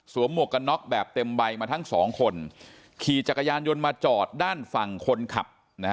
หมวกกันน็อกแบบเต็มใบมาทั้งสองคนขี่จักรยานยนต์มาจอดด้านฝั่งคนขับนะฮะ